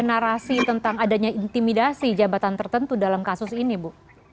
ada narasi tentang adanya intimidasi jabatan tertentu dalam kasus ini bu